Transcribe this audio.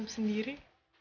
sampai senyum sendiri